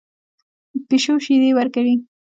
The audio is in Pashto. پیشو شیدې ورکوي